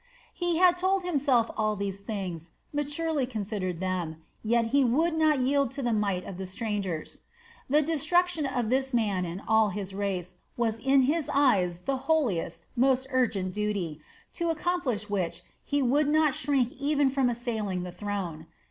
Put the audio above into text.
He had told himself all these things, maturely considered them, yet he would not yield to the might of the strangers. The destruction of this man and all his race was in his eyes the holiest, most urgent duty to accomplish which he would not shrink even from assailing the throne.